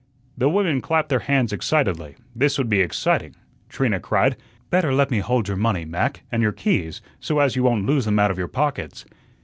The women clapped their hands excitedly. This would be exciting. Trina cried: "Better let me hold your money, Mac, and your keys, so as you won't lose them out of your pockets."